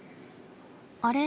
あれ？